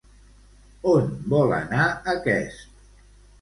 On vol anar aquest?